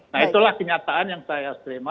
nah itulah kenyataan yang saya terima